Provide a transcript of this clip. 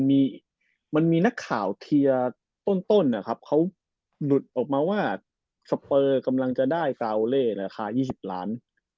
มันมีนักข่าวเทียร์ต้นนะครับเขาหลุดออกมาว่าสเปอร์กำลังจะได้ซาโอเล่ราคา๒๐ล้าน